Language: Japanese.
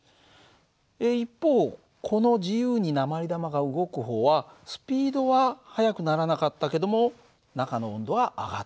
一方この自由に鉛玉が動く方はスピードは速くならなかったけども中の温度は上がった。